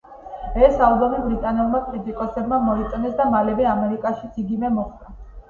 ეს ალბომი ბრიტანელმა კრიტიკოსებმა მოიწონეს და მალევე ამერიკაშიც იგივე მოხდა.